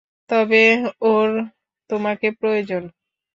তবে ওর তোমাকে প্রয়োজন।